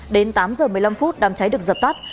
đến tám giờ một mươi năm phút đám cháy được dập tắt